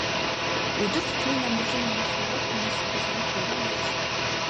Өдөр тутмын амьдралын дунд хувраг хүний сэтгэл ямагт ариун байх ёстой.